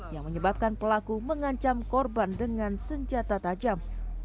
yang menyebabkan pelaku mengancam korban dengan senjata tajam